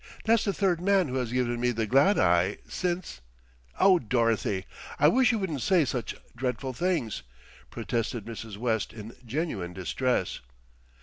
That's the third man who has given me the glad eye since " "Oh, Dorothy! I wish you wouldn't say such dreadful things," protested Mrs. West in genuine distress.